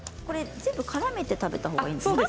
全部からめて食べたほうがいいんですか？